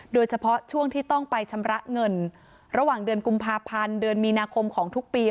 โดยเฉพาะช่วงที่ต้องไปชำระเงินระหว่างเดือนกุมภาพันธ์เดือนมีนาคมของทุกปี